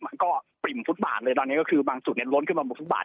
มันก็ปริ่มฟุตบาทเลยตอนนี้ก็คือบางจุดเนี่ยล้นขึ้นมาบนฟุตบาท